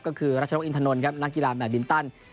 ก็คือรัชนกอินทนนักกีฬาแบบบินตัน